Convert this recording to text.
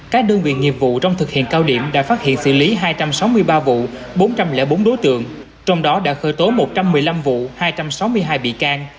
các đơn vị nghiệp vụ trong thực hiện cao điểm đã phát hiện xử lý hai trăm sáu mươi ba vụ bốn trăm linh bốn đối tượng trong đó đã khởi tố một trăm một mươi năm vụ hai trăm sáu mươi hai bị can